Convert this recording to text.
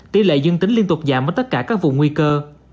tỷ lệ dương tính liên tục giảm ở tất cả các vùng nguy cơ